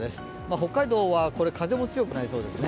北海道は風も強くなりそうですね。